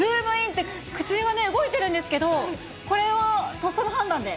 って口は動いてるんですけど、これはとっさの判断で？